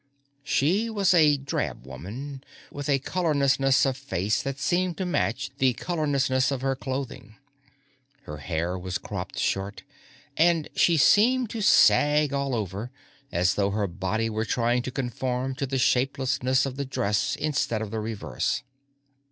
She was a drab woman, with a colorlessness of face that seemed to match the colorlessness of her clothing. Her hair was cropped short, and she seemed to sag all over, as though her body were trying to conform to the shapelessness of the dress instead of the reverse.